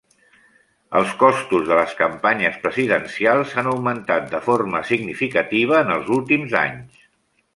Els costos de les campanyes presidencials han augmentat de forma significativa en els últims anys.